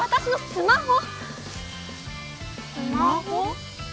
スマホ？